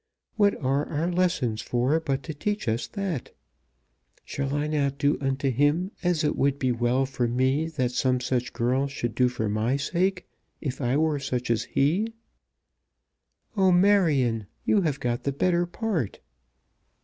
What are our lessons for but to teach us that? Shall I not do unto him as it would be well for me that some such girl should do for my sake if I were such as he?" "Oh, Marion, you have got the better part."